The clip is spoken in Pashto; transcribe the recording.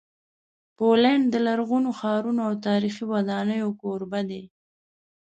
پولینډ د لرغونو ښارونو او تاریخي ودانیو کوربه دی.